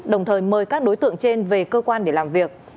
đồng thời mời các đối tượng trên về cơ quan để làm việc